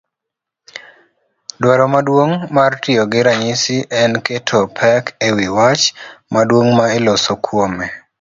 Dwaro maduong' mar tiyogi ranyisi en keto pek ewi wach maduong' ma iloso kuome.